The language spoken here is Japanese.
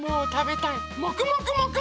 もくもくもく。